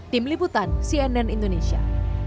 tim liputan cnn indonesia